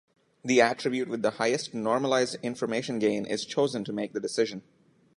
The attribute with the highest normalized information gain is chosen to make the decision.